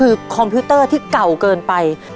คือคอมพิวเตอร์ที่เก่าเกินไป